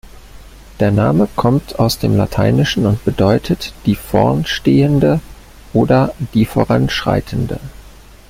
Der Name kommt aus dem Lateinischen und bedeutet „die vorn Stehende“ oder „die Voranschreitende“.